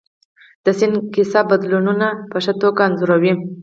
د سیند کیسه بدلونونه په ښه توګه انځوروي.